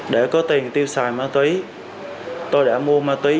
để có tiền tiêu xài ma túy tôi đã mua ma túy